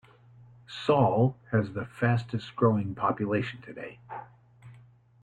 Sal has the fastest growing population today.